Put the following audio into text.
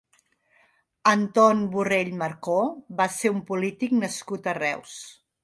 Anton Borrell Marcó va ser un polític nascut a Reus.